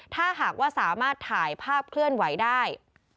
ถ้าหากว่าสามารถถ่ายภาพเคลื่อนไหวได้